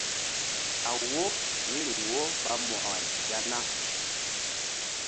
A wo míriŋ wo ɓa mo̧ko-ay ya na?